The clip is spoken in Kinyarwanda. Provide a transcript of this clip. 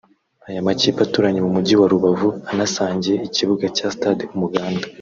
Aya makipe aturanye mu mujyi wa Rubavu anasangiye ikibuga cya Stade Umuganda